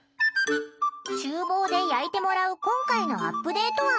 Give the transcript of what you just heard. ちゅう房で焼いてもらう今回のアップデート案。